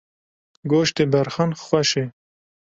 Goştê berxan xweş e.